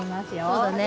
そうだね。